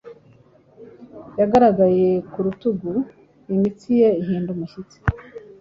Yagaragaye ku rutuguimitsi ye ihinda umushyitsi